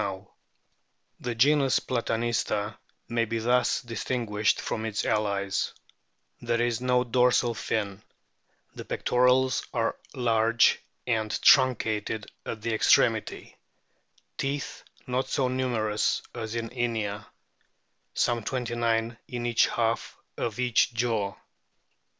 293 294 A BOOK OF WHALES The genus PLATANISTA may be thus distinguished from its allies : There is no dorsal fin ; the pectorals are large and truncated at the extremity ; teeth not so numerous as in Inia, some twenty nine in each half of each jaw.